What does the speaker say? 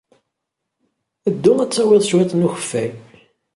Ddu ad d-tawyed cwiṭ n ukeffay.